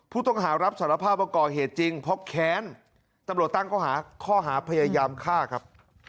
ผู้ต้องหารับสารภาพว่าก่อเหตุจริงเพราะแค้นตำรวจตั้งข้อหาพยายามฆ่าครับ